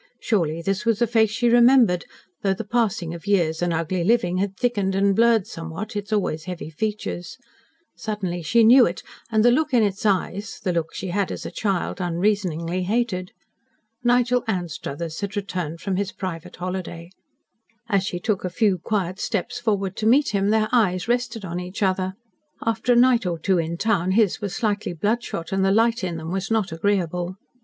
Surely this was a face she remembered though the passing of years and ugly living had thickened and blurred, somewhat, its always heavy features. Suddenly she knew it, and the look in its eyes the look she had, as a child, unreasoningly hated. Nigel Anstruthers had returned from his private holiday. As she took a few quiet steps forward to meet him, their eyes rested on each other. After a night or two in town his were slightly bloodshot, and the light in them was not agreeable.